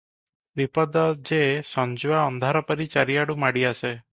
ବିପଦ ଯେ ସଞ୍ଜୁଆ ଅନ୍ଧାରପରି ଚାରିଆଡ଼ୁ ମାଡିଆସେ ।